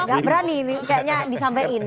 gak berani kayaknya disampaikan